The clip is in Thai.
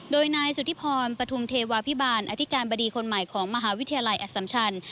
โดยนายสุธิพรปฐุมเทวาพิบาลอธิการบดีคนใหม่ของมหาวิทยาลัยอสัมชัน